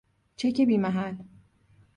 چک بی محل